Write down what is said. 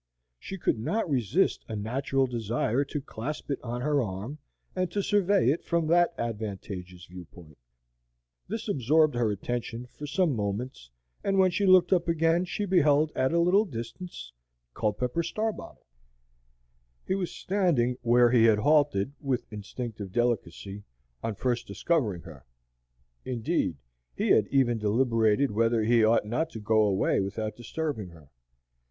She could not resist a natural desire to clasp it on her arm, and to survey it from that advantageous view point. This absorbed her attention for some moments; and when she looked up again she beheld at a little distance Culpepper Starbottle. He was standing where he had halted, with instinctive delicacy, on first discovering her. Indeed, he had even deliberated whether he ought not to go away without disturbing her.